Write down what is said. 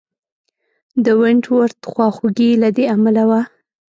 د ونټ ورت خواخوږي له دې امله وه.